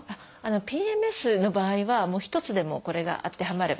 ＰＭＳの場合は一つでもこれが当てはまればですね。